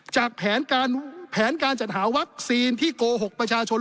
จากแผนการจัดหาวัคซีนที่โกหกประชาชน